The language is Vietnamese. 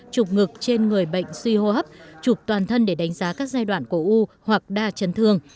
chụp ngược trên người bệnh suy hô hấp chụp toàn thân để đánh giá các giai đoạn cổ u hoặc đa chân thương